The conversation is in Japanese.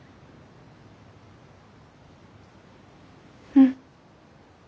うん。